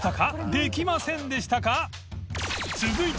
できませんでしたか？